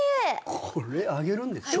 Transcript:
これあげるんですか？